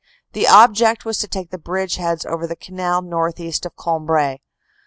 The object was to take the bridgeheads over the canal northeast of Cambrai.